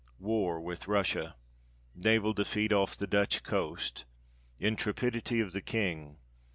War with Russia. Naval defeat off the Dutch Coast. Intrepidity of the King.